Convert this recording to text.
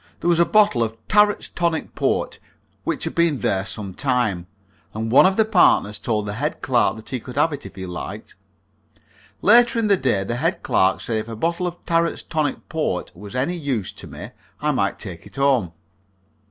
There was a bottle of Tarret's Tonic Port, which had been there some time, and one of the partners told the head clerk that he could have it if he liked. Later in the day the head clerk said if a bottle of Tarret's Tonic Port was any use to me I might take it home.